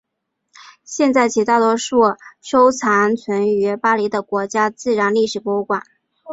现在起大多数收藏存于巴黎的国家自然历史博物馆。